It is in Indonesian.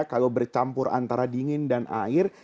kalau bercampur antara dingin dan air